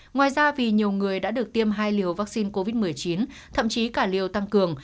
ngoài ra vì nhiều người đã được tiêm hai liều vaccine covid một mươi chín thậm chí cả liều tăng cường